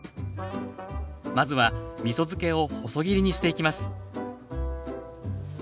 まずはみそ漬けを細切りにしていきます